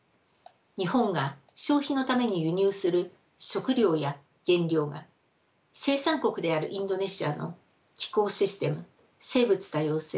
日本が消費のために輸入する食料や原料が生産国であるインドネシアの気候システム生物多様性